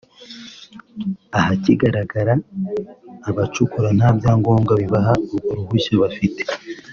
ahakigaragara abacukura nta byangombwa bibaha urwo ruhushya bafite